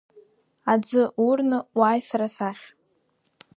Аӡы урны уааи сара сахь.